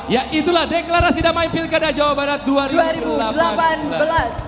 ya itulah deklarasi damai pilkada jawa barat dua ribu delapan belas